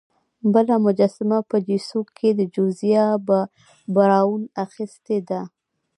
بله مجسمه په چیسوک کې جوزیا براون اخیستې ده.